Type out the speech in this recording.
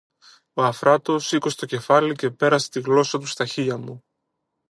Ο Αφράτος σήκωσε το κεφάλι και πέρασε τη γλώσσα του στα χείλια του.